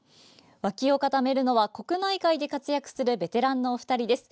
脇を固めるのは国内外で活躍するベテランのお二人です。